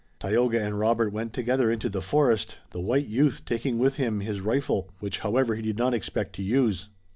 Tayoga and Robert went together into the forest, the white youth taking with him his rifle, which, however, he did not expect to use.